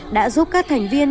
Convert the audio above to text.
đã giúp các thành viên